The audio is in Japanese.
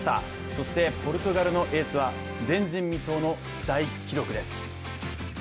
そしてポルトガルのエースは前人未到の大記録です。